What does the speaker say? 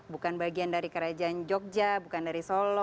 bukan bagian dari kerajaan jogja bukan dari solo